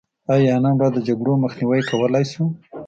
آیا نن ورځ د جګړو مخنیوی کولی شو؟